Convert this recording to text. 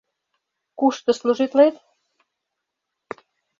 — Кушто служитлет?